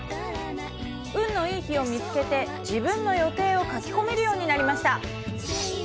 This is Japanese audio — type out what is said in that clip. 運のいい日を見つけて自分の予定を書き込めるようになりました。